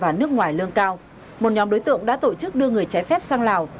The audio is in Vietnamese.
và nước ngoài lương cao một nhóm đối tượng đã tổ chức đưa người trái phép sang lào